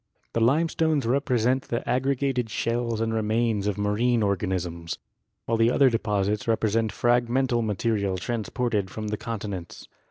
The limestones represent the aggregated shells and remains of marine organisms, while the other deposits represent fragmental material transported from the con tinents.